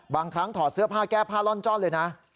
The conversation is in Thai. บางครั้งถอดเสื้อผ้าแก้ผ้าล่อนจ้อนเลยนะ